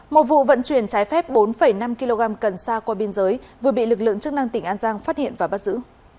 một vụ vận chuyển trái phép bốn năm kg cần xa qua biên giới vừa bị lực lượng chức năng tỉnh an giang phát hiện và bắt giữ